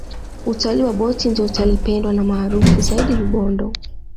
utalii wa boti ndiyo utalii pendwa na maarufu zaidi rubondo